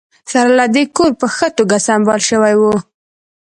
سره له دې کور په ښه توګه سمبال شوی و